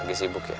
oh lagi sibuk ya